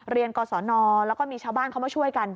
เรียนก่อนสอนอนแล้วก็มีชาวบ้านเขามาช่วยกัน